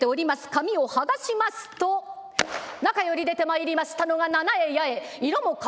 紙を剥がしますと中より出てまいりましたのが七重八重色も変わらぬやまぶき色で金５枚。